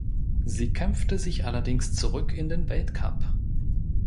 Sie kämpfte sich allerdings zurück in den Weltcup.